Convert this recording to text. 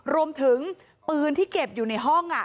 รวมถึงปืนที่เก็บอยู่ในห้อง